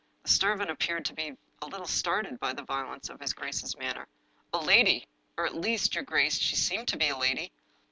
The servant appeared to be a little startled by the vio lence of his grace's manner. " A lady — or, at least, your grace, she seemed to be a lady."